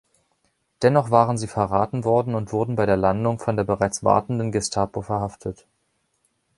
Dennoch waren sie verraten worden und wurden bei der Landung von der bereits wartenden Gestapo verhaftet.